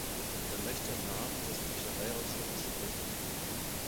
Wer möchte im Namen des Fischereiausschusses sprechen?